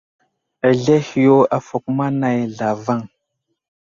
Azlehi yo afakoma nay zlavaŋ.